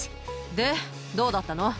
で、どうだったの？